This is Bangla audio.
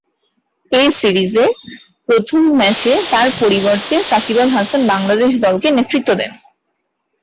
এই সিরিজের প্রথম ম্যাচে তার পরিবর্তে সাকিব আল হাসান বাংলাদেশ দলকে নেতৃত্ব দেন।